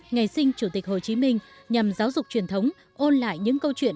ngày sinh chủ tịch hồ chí minh nhằm giáo dục truyền thống ôn lại những câu chuyện